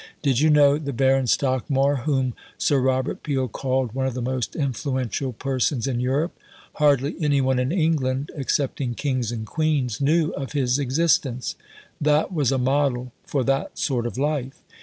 (Did you know the Baron Stockmar whom Sir Robert Peel called one of the most influential persons in Europe? Hardly any one in England excepting Kings and Queens knew of his existence. That was a model for that sort of life.)